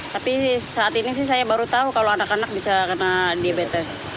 tapi saat ini sih saya baru tahu kalau anak anak bisa kena diabetes